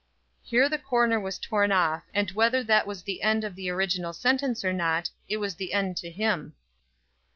Here the corner was torn off, and whether that was the end of the original sentence or not, it was the end to him.